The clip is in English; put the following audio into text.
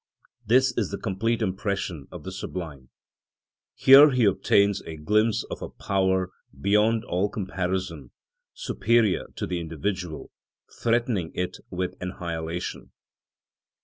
This is the complete impression of the sublime. Here he obtains a glimpse of a power beyond all comparison superior to the individual, threatening it with annihilation.